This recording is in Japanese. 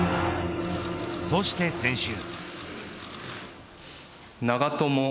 そして先週。